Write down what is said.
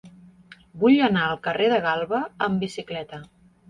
Vull anar al carrer de Galba amb bicicleta.